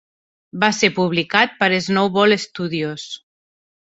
Va ser publicat per Snowball Studios.